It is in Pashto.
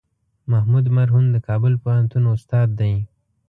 محمود مرهون د کابل پوهنتون استاد دی.